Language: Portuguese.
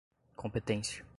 competência